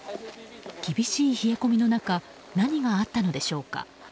厳しい冷え込みの中何があったのでしょうか。